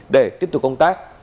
để tiếp tục công tác